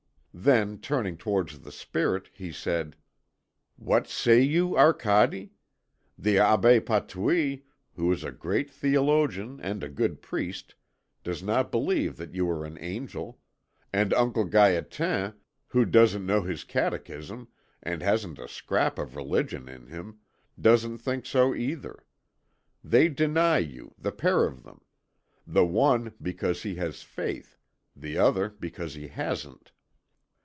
Then turning towards the Spirit he said: "What say you, Arcade? The Abbé Patouille, who is a great theologian and a good priest, does not believe that you are an angel; and Uncle Gaétan, who doesn't know his catechism and hasn't a scrap of religion in him, doesn't think so either. They deny you, the pair of them; the one because he has faith, the other because he hasn't.